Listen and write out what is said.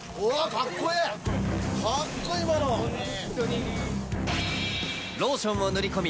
かっこいい今のローションを塗り込み